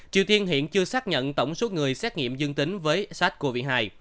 triều tiên hiện chưa xác nhận tổng số người xét nghiệm dương tính với sars cov hai